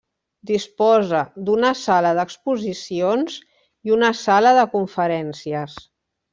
Disposa d'una sala d'exposicions i una sala de conferències.